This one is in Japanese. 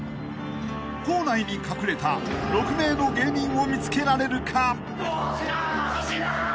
［校内に隠れた６名の芸人を見つけられるか？］